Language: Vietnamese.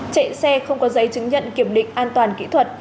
chạy xe không có giấy chứng nhận kiểm định an toàn kỹ thuật